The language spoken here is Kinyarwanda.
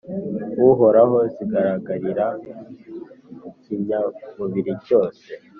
Uhoraho zigaragarira ku kinyamubiri cyose.